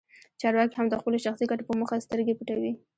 چارواکي هم د خپلو شخصي ګټو په موخه سترګې پټوي.